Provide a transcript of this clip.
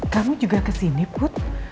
kamu juga kesini bu